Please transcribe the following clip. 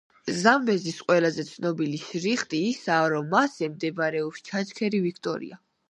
ზამბეზის ყველაზე ცნობილი შტრიხი ისაა, რომ მასზე მდებარეობს ჩანჩქერი ვიქტორია.